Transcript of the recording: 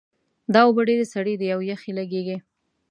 دا اوبه ډېرې سړې دي او یخې لګیږي